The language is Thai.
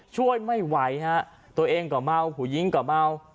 ช่วยไม่ไหวฮะตัวเองก็เมาผู้หญิงก็เมา